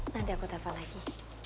nanti aku telfon lagi